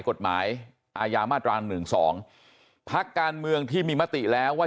กฎหมายอาญามาตราหนึ่งสองพักการเมืองที่มีมติแล้วว่า